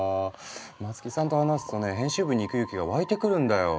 松木さんと話すとね編集部に行く勇気が湧いてくるんだよ。